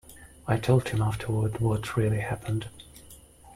I told him afterward what really happened.